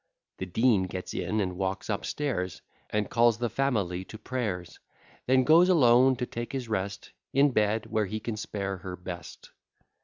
The Dean gets in and walks up stairs, And calls the family to prayers; Then goes alone to take his rest In bed, where he can spare her best.